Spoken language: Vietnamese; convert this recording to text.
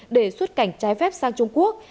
để xuất cảnh trái phép sang trung quốc